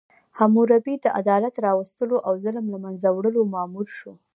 حموربي د عدالت راوستلو او ظلم له منځه وړلو مامور شو.